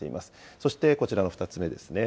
そしてこちらの２つ目ですね。